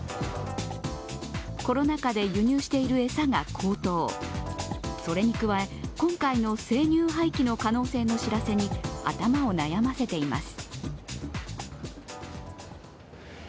コロナ禍で輸入している餌が高騰、それに加え、今回の生乳廃棄の可能性の知らせに頭を悩ませています。